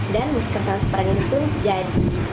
dan masker transparan itu jadi